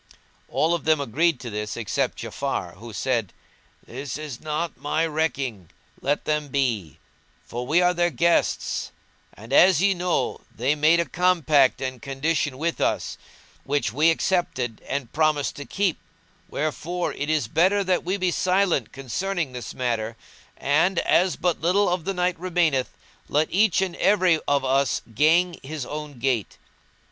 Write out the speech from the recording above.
All of them agreed to this except Ja'afar who said,[FN#186] "This is not my recking; let them be; for we are their guests and, as ye know, they made a compact and condition with us which we accepted and promised to keep: wherefore it is better that we be silent concerning this matter; and, as but little of the night remaineth, let each and every of us gang his own gait."